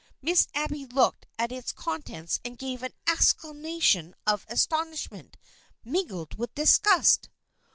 Miss Abby looked at its contents and gave an exclamation of aston ishment mingled with disgust.